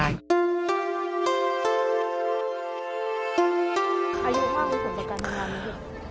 อายุว่ามีประสบการณ์ดังไหนด้วย